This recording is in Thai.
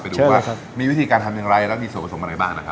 ดูว่ามีวิธีการทำอย่างไรแล้วมีส่วนผสมอะไรบ้างนะครับ